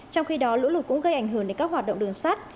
trong khi đó lũ lụt cũng gây ảnh hưởng đến các hoạt động đường sắt